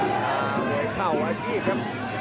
เอาไว้เข้าให้ชิ้นอีกครับ